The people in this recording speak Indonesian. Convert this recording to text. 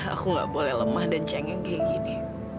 aku gak boleh lemah dan cengeng kayak gini